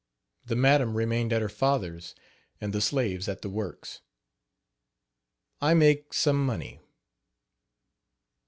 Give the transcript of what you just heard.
The madam remained at her fathers, and the slaves at the works. I MAKE SOME MONEY.